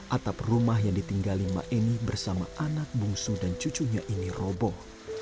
atap rumah yang ditinggali maeni bersama anak bungsu dan cucunya ini roboh